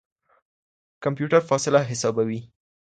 کمپيوټر فاصله حسابوي.